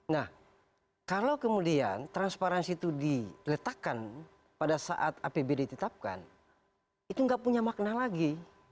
nah kalau kemudian transparansi itu diletakkan pada saat apbd ditetapkan itu nggak punya makna lagi